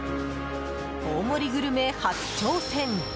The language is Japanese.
大盛りグルメ初挑戦！